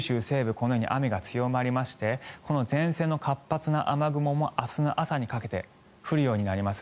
このように雨が強まって前線の活発な雨雲も明日の朝にかけて降るようになります。